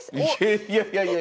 いやいやいや。